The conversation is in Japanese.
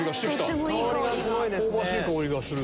香ばしい香りがする。